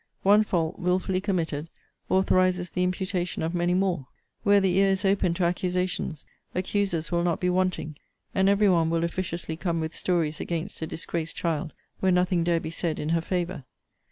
One fault, wilfully committed, authorizes the imputation of many more. Where the ear is opened to accusations, accusers will not be wanting; and every one will officiously come with stories against a disgraced child, where nothing dare be said in her favour.